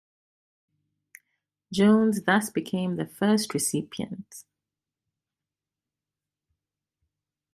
Jones thus became the first recipient.